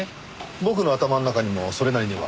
僕の頭の中にもそれなりには。